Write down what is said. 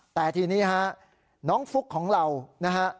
แต่ทีนี้ฮะน้องฟุ๊กของเรานะฮะ